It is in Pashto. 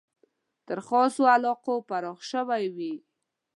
تر خاصو علاقو پراخ شوی وي.